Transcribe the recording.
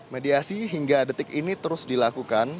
mediasi hingga detik ini terus dilakukan